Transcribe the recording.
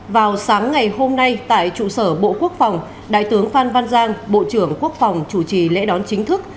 vào sáng ngày hôm nay tại trụ sở bộ quốc phòng đại tướng phan văn giang bộ trưởng quốc phòng chủ trì lễ đón chính thức